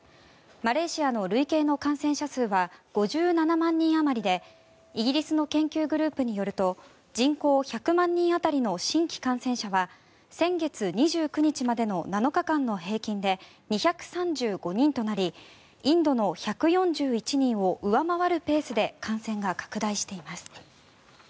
マレーシアの累計の感染者数は５７万人あまりでイギリスの研究グループによると人口１００万人当たりの新規感染者は先月２９日までの７日間の平均で２３５人となりインドの１４１人を上回るペースで感染が拡大しています。